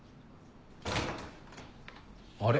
あれ？